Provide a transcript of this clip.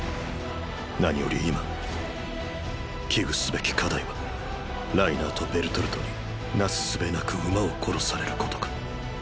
何より今危惧すべき課題はライナーとベルトルトになすすべなく馬を殺されることか。